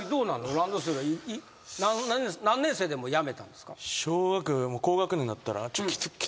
ランドセルは何年生でもうやめたんですか？